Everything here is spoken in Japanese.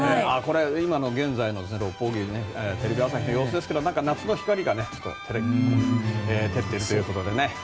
現在の六本木テレビ朝日の様子ですけど夏の光が照っているということでね。